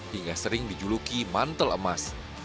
hingga sering dijuluki mantel emas